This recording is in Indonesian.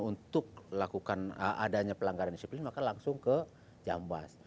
untuk lakukan adanya pelanggaran disiplin maka langsung ke jambas